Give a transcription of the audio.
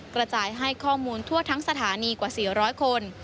กระจายให้ข้อมูลทั่วทั้งสถานีกว่า๔๐๐คน